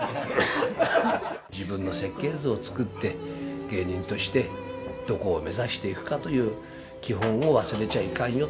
自分の設計図を作って、芸人としてどこを目指していくかという基本を忘れちゃいかんよ。